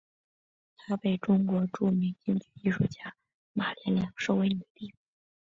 她被中国著名京剧艺术家马连良收为女弟子。